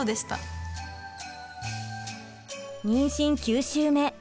妊娠９週目。